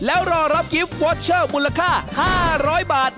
แล้วรอรับกิฟต์วอเชอร์มูลค่า๕๐๐บาท